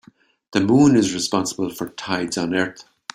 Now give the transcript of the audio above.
The moon is responsible for tides on earth.